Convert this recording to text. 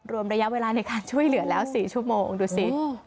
รวมระยะเวลาในการช่วยเหลือแล้ว๔ชั่วโมงดูสิ